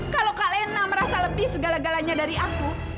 kalau kak lena merasa lebih segala galanya dari aku